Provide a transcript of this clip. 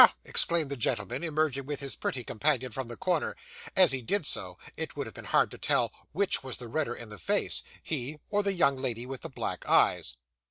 exclaimed that gentleman, emerging with his pretty companion from the corner; as he did so, it would have been hard to tell which was the redder in the face, he or the young lady with the black eyes.